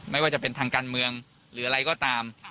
ไม่ว่าจะเป็นทางการเมืองหรืออะไรก็ตาม